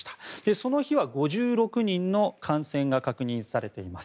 その日は５６人の感染が確認されています。